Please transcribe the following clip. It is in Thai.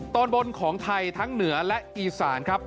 ตอนบนของไทยทั้งเหนือและอีสานครับ